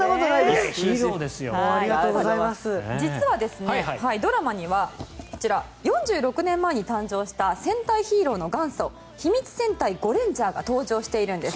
実はドラマにはこちら、４６年前に誕生した戦隊ヒーローの元祖「秘密戦隊ゴレンジャー」が登場しているんです。